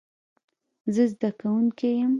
زه زده کوونکی یم